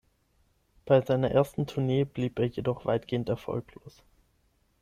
Bei seiner ersten Tournee blieb er jedoch weitgehend erfolglos.